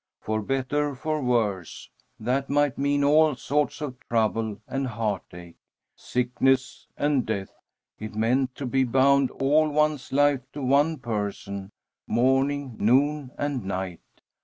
"For better, for worse," that might mean all sorts of trouble and heartache. "Sickness and death," it meant to be bound all one's life to one person, morning, noon, and night.